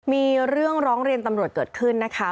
มีเรื่องร้องเรียนตำรวจเกิดขึ้นนะคะ